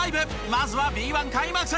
まずはＢ１開幕戦。